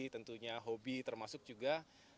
tentunya hobi termasuk juga